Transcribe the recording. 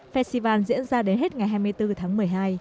festival diễn ra đến hết ngày hai mươi bốn tháng một mươi hai